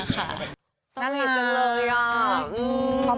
นั่นเลยจริงเลยอ่ะ